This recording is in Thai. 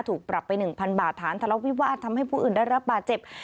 ถูกปรับไป๑๐๐บาทฐานทะเลาวิวาสทำให้ผู้อื่นได้รับบาดเจ็บ